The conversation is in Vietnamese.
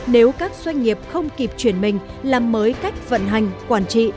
nếu các doanh nghiệp không kịp chuyển mình làm mới cách vận hành quản trị